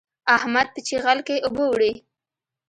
احمد په چيغل کې اوبه وړي.